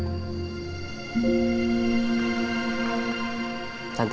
aku mau nyantai